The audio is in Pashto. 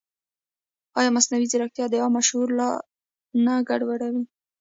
ایا مصنوعي ځیرکتیا د عامه شعور لار نه ګډوډوي؟